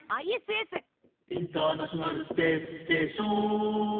「インターナショナルスペースステーショーーン」